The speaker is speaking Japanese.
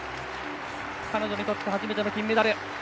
彼女にとって初めての金メダル。